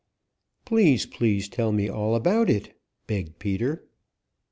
"Please, please tell me all about it," begged Peter.